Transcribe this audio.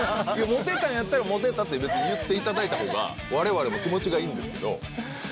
モテたんやったらモテたって別に言っていただいたほうが我々も気持ちがいいんですけど。